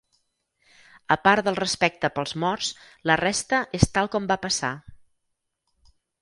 A part del respecte pels morts, la resta és tal com va passar.